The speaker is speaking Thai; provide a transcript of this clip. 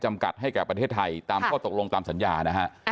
กัดให้แก่ประเทศไทยตามข้อตกลงตามสัญญานะฮะ